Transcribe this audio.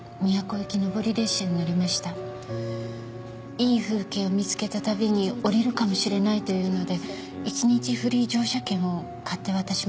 いい風景を見付けたたびに降りるかもしれないというので１日フリー乗車券を買って渡しました。